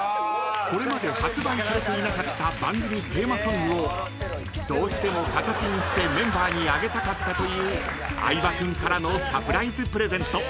［これまで発売されていなかった番組テーマソングをどうしても形にしてメンバーにあげたかったという相葉君からのサプライズプレゼント。